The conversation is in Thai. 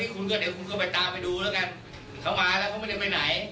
คุณก็เดี๋ยวคุณก็ไปตามไปดูแล้วกันเขามาแล้วเขาไม่ได้ไปไหน